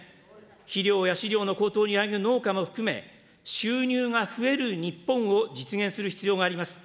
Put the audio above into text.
肥料や飼料の高騰にあえぐ農家も含め、収入が増える日本を実現する必要があります。